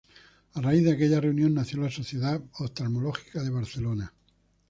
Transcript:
A raíz de aquella reunión nació la Sociedad Oftalmológica de Barcelona.